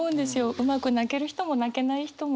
うまく泣ける人も泣けない人も。